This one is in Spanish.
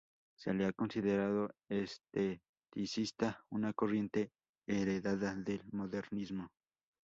Se le ha considerado esteticista, una corriente heredada del modernismo.